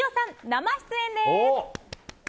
生出演です。